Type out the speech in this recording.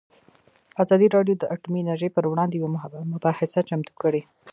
ازادي راډیو د اټومي انرژي پر وړاندې یوه مباحثه چمتو کړې.